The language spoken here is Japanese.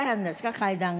階段が。